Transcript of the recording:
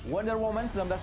hanya di catch play plus